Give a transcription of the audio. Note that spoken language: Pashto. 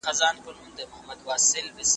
سياست پوهنه به په پوهنتونونو کي نوره هم پراخه سي.